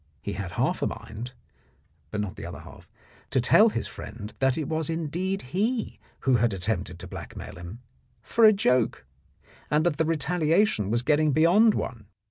He had half a mind (but not the other half) to tell his friend that it was indeed he who had at tempted to blackmail him, for a joke, and that the retaliation was getting beyond one.